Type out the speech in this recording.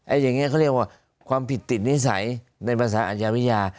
อย่างนี้เขาเรียกว่าความผิดติดนิสัยในภาษาอาชญาวิทยา